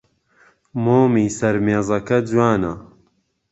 مۆمی سەر مێزەکە جوانە.